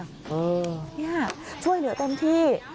นี่ค่ะช่วยเหลือเต็มที่